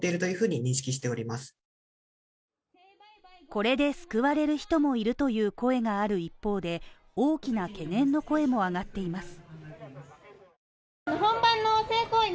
これで救われる人もいるという声がある一方で、大きな懸念の声も上がっています。